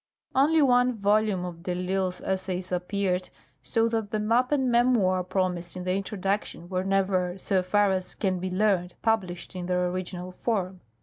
Only one volume of de I'Isle's essays appeared, so that the map and memoh' promised hi the introduction were never, so far as can be learned, published in their original form.